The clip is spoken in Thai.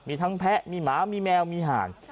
มีทั้งแพะมีหมามีแมวมีห่าน